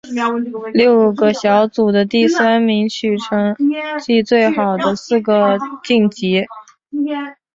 六个小组的第三名取成绩最好的四个晋级。